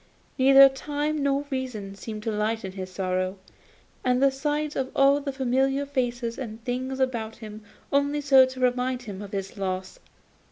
Neither time nor reason seemed to lighten his sorrow, and the sight of all the familiar faces and things about him only served to remind him of his loss.